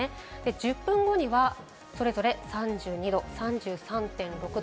１０分後にはそれぞれ３２度、３３．６度。